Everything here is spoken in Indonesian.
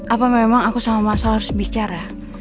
apa memang aku sama massal harus bicara